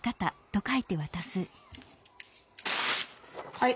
はい。